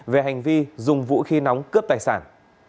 về hành vi dùng vũ khí nóng cướp tài sản